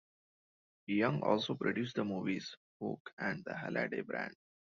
Young also produced the movies "Huk" and "The Halladay Brand".